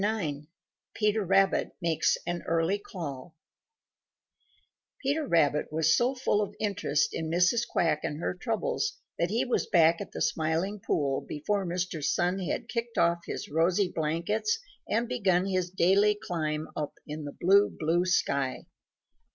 IX PETER RABBIT MAKES AN EARLY CALL Peter Rabbit was so full of interest in Mrs. Quack and her troubles that he was back at the Smiling Pool before Mr. Sun had kicked off his rosy blankets and begun his daily climb up in the blue, blue sky.